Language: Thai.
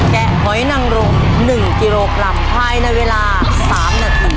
หอยนังรม๑กิโลกรัมภายในเวลา๓นาที